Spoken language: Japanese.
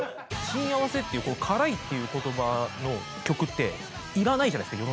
『辛あわせ』っていう「辛い」っていう言葉の曲っていらないじゃないですか